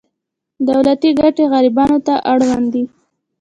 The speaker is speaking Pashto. دولتي ګټې غریبانو ته اړوند دي.